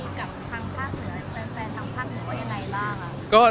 แฟนแฟนทางภาคเหนือไหนล่ะ